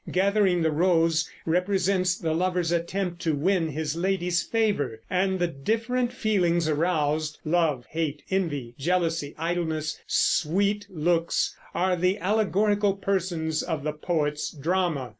Gathering the Rose represents the lover's attempt to win his lady's favor; and the different feelings aroused Love, Hate, Envy, Jealousy, Idleness, Sweet Looks are the allegorical persons of the poet's drama.